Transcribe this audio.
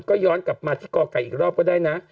ก็ย้อนกลับมาที่ก่อไก่อีกรอบก็ได้นะ